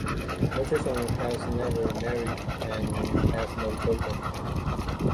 Richardson has never married and has no children.